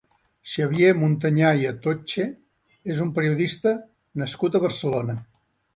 Xavier Montanyà i Atoche és un periodista nascut a Barcelona.